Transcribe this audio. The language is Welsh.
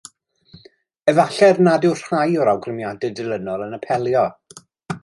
Efallai nad yw rhai o'r awgrymiadau dilynol yn apelio.